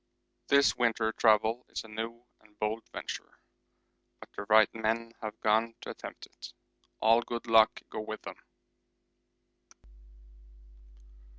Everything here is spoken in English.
This winter travel is a new and bold venture, but the right men have gone to attempt it. All good luck go with them.